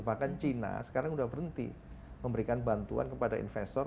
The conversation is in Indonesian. bahkan china sekarang sudah berhenti memberikan bantuan kepada investor